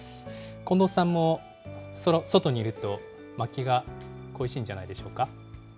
近藤さんも外にいると、まきが恋しいんじゃないでしょうか。